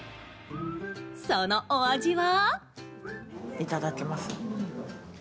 そのお味は？